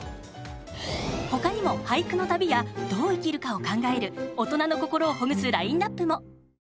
他にも俳句の旅やどう生きるかを考える大人の心をほぐすラインナップも。